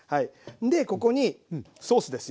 でここにソースですよ。